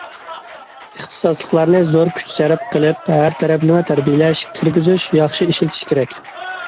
ئىختىساسلىقلارنى زور كۈچ سەرپ قىلىپ ھەر تەرەپلىمە تەربىيەلەش، كىرگۈزۈش، ياخشى ئىشلىتىش كېرەك.